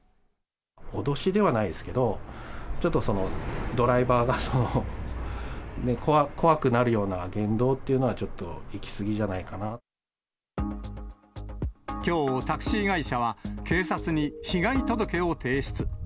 脅しではないですけど、ちょっとドライバーが、怖くなるような言動っていうのは、きょう、タクシー会社は警察に被害届を提出。